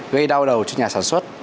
gây đau đầu cho nhà sản xuất